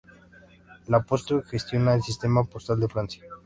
La Poste gestiona el sistema postal de Francia.